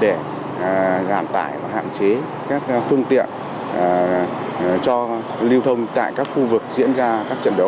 để giảm tải và hạn chế các phương tiện cho lưu thông tại các khu vực diễn ra các trận đấu